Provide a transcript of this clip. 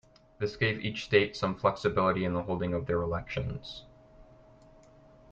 This gave each state some flexibility in the holding of their elections.